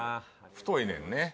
太いねんね。